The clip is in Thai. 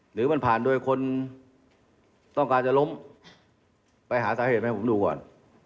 หรือมันผ่านโดยคนต้องการจะล้มไปหาสาเหตุมาให้ผมดูก่อน